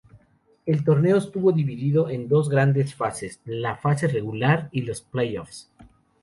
El torneo estuvo dividido en dos grandes fases; la fase regular y los play-offs.